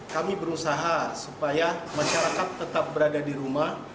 kami berusaha supaya masyarakat tetap berada di rumah